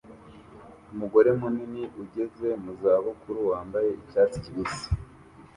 Umugore munini ugeze mu za bukuru wambaye icyatsi kibisi